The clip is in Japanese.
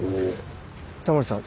タモリさん